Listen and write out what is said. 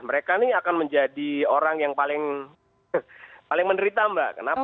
mereka ini akan menjadi orang yang paling menderita mbak kenapa